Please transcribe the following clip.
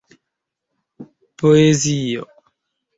poezio